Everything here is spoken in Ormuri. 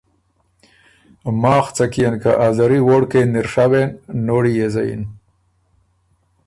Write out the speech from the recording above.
ماخ څۀ کيېن که ا زري ووړکئ یه ن اِر ڒوېن، نوړی يې زَیِن۔